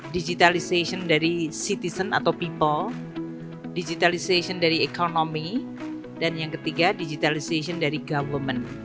digitalization dari citizen atau people digitalization dari economy dan yang ketiga digitalisasi dari government